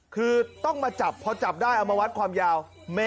คือต้องมาจับพอจับได้เอามาวัดความยาว